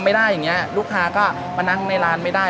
ไม่ได้ลูกค้าก็มานั่งในร้านไม่ได้